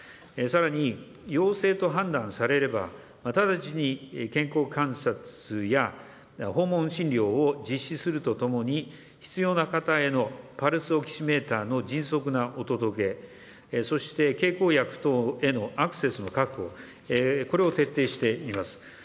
さらに、陽性と判断されれば、直ちに健康観察や訪問診療を実施するとともに、必要な方へのパルスオキシメーターの迅速なお届け、そして経口薬等へのアクセスの確保、これを徹底しています。